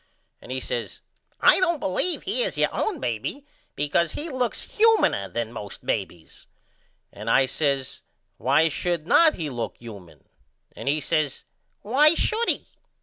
And he says I don't believe he is your own baby because he looks humaner than most babys. And I says Why should not he look human. And he says Why should he.